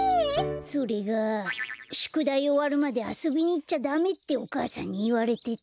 それがしゅくだいおわるまであそびにいっちゃダメってお母さんにいわれてて。